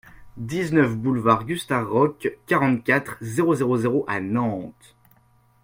dix-neuf boulevard Gustave Roch, quarante-quatre, zéro zéro zéro à Nantes